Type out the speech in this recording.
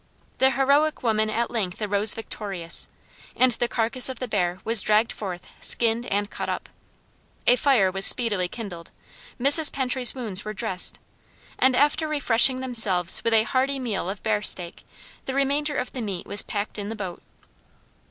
The heroic woman at length arose victorious, and the carcase of the bear was dragged forth, skinned, and cut up. A fire was speedily kindled, Mrs. Pentry's wounds were dressed, and after refreshing themselves with a hearty meal of bearsteak, the remainder of the meat was packed in the boat.